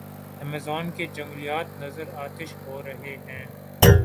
Amazon کے جنگلات نذرِ آتش ہو رہے ہیں۔